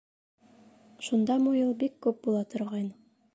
Шунда муйыл бик күп була торғайны.